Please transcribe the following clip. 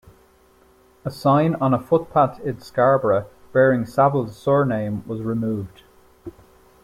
A sign on a footpath in Scarborough bearing Savile's surname was removed.